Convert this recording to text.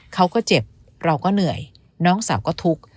เขาก็เจ็บเราก็เหนื่อยน้องสาวก็ทุกข์